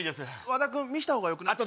和田君見せた方がよくない？